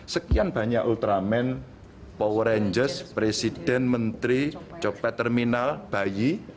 sekian banyak ultramen power rangers presiden menteri copet terminal bayi